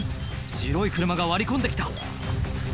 白い車が割り込んで来たいや